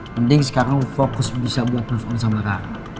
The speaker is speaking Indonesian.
mending sekarang lo fokus bisa buat ngejauhin sama rara